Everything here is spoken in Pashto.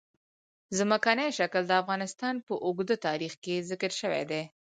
ځمکنی شکل د افغانستان په اوږده تاریخ کې ذکر شوی دی.